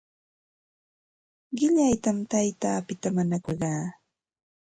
Qillaytam taytapita mañakurqaa.